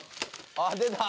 「あっ出た！」